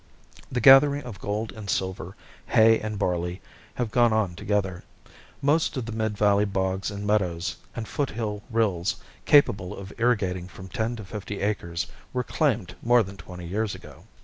The gathering of gold and silver, hay and barley, have gone on together. Most of the mid valley bogs and meadows, and foothill rills capable of irrigating from ten to fifty acres, were claimed more than twenty years ago.